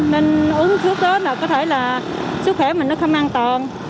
nên uống trước đó là có thể là sức khỏe mình nó không an toàn